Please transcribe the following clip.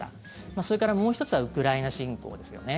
それから、もう１つはウクライナ侵攻ですよね。